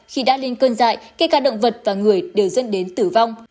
khi đã lên cơn dại kể cả động vật và người đều dẫn đến tử vong